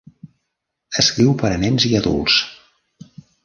Escriu per a nens i adults.